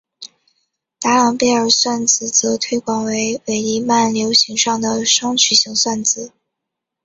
达朗贝尔算子则推广为伪黎曼流形上的双曲型算子。